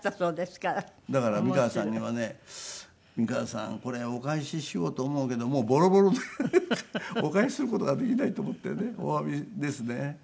だから美川さんにはね美川さんこれお返ししようと思うけどもうボロボロでお返しする事ができないと思ってねおわびですね。